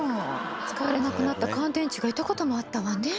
使われなくなった乾電池がいたこともあったわね。